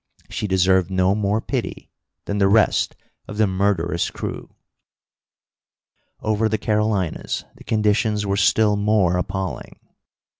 She deserved no more pity than the rest of the murderous crew. Over the Carolinas the conditions were still more appalling.